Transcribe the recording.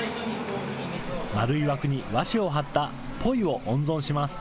丸い枠に和紙を貼ったポイを温存します。